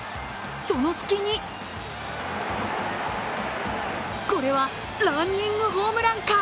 その隙にこれはランニングホームランか！？